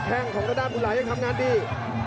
แค่งของด้านหน้าภูระยังทำงานดี